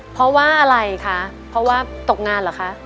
เพราะว่าอะไรคะเพราะว่าตกงานเหรอคะ